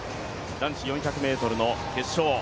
男子４００ｍの決勝。